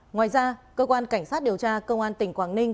ngoài ra cơ quan cảnh sát điều tra công an tỉnh quảng ninh